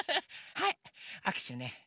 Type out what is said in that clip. はいあくしゅね。